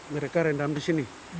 mereka rendam di sini